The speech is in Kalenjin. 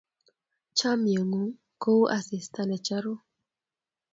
Chamyengung ko u asista ne charu